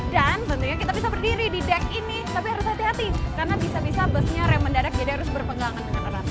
dan tentunya kita bisa berdiri di dek ini tapi harus hati hati karena bisa bisa busnya rem mendadak jadi harus berpengalaman